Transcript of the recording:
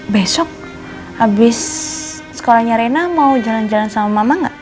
besok habis sekolahnya rena mau jalan jalan sama mama nggak